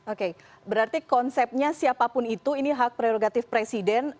oke berarti konsepnya siapapun itu ini hak prerogatif presiden